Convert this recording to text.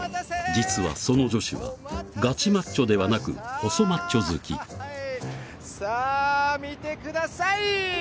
実はその女子はガチマッチョではなく細マッチョ好きさあ見てください！